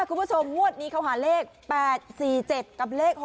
คุณผู้ชมวัวดนี้เขาหาเลข๘๔๗กับเลข๖๐